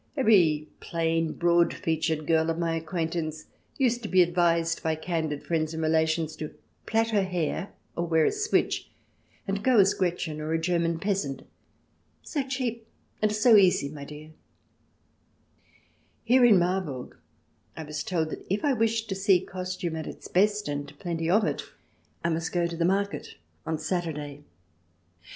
Every plain, broad featured girl of my acquaintance used to be advised by candid friends and relations to plait her hair or wear a switch, and go as Gretchen or a German peasant — "So cheap and so easy, my dear I" Here in Marburg I was told that if I wished to see costume at its best, and plenty of it, I must go to the market on Saturday.